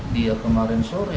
dia kemarin sore